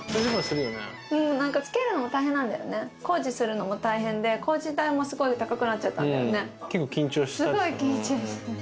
工事するのも大変で、工事代もすごく高くなっちゃったんだよね。